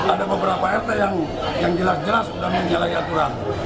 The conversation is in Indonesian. ada beberapa rt yang jelas jelas sudah menyalahi aturan